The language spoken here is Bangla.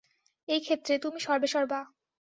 এই ক্ষেত্রে, তুমি সর্বেসর্বা।